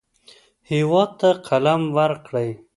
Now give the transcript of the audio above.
هېواد ته قلم ورکړئ